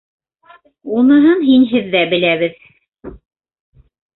Уныһын һинһеҙ ҙә беләбеҙ.